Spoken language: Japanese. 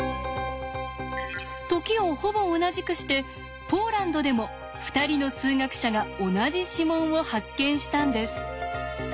時をほぼ同じくしてポーランドでも２人の数学者が同じ指紋を発見したんです。